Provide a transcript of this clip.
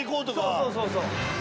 そうそうそうそう。